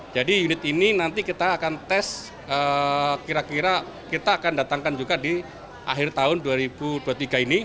jadi unit ini nanti kita akan tes kira kira kita akan datangkan juga di akhir tahun dua ribu dua puluh tiga ini